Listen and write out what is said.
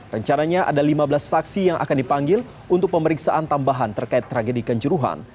rencananya ada lima belas saksi yang akan dipanggil untuk pemeriksaan tambahan terkait tragedi kanjuruhan